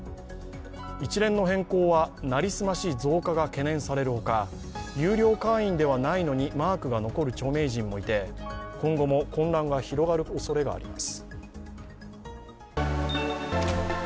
一連の変更は成り済まし増加が懸念されるほか、有料会員ではないのにマークが残る著名人もいて、今後も混乱が広がるおそれがあります。